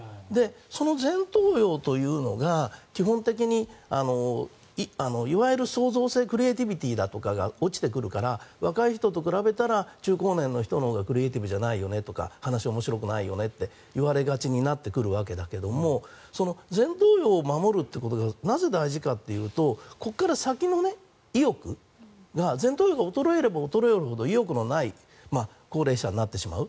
その前頭葉というのが基本的にいわゆる創造性クリエーティビティーとかが落ちてくるから若い人と比べたら中高年の人のほうがクリエーティブじゃないよねとか話が面白くないよねって言われがちになるわけだけどその前頭葉を守ることがなぜ大事かというとその先の意欲が前頭葉が衰えれば衰えるほど意欲のない高齢者になってしまう。